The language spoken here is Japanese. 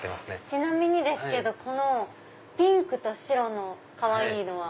ちなみにですけどこのピンクと白のかわいいのは。